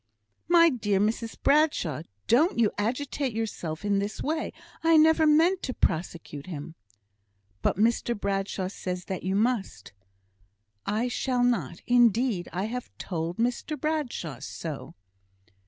"My dear Mrs Bradshaw, don't agitate yourself in this way. I never meant to prosecute him." "But Mr Bradshaw says that you must." "I shall not, indeed. I have told Mr Bradshaw so."